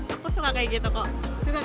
aku suka kayak gitu kok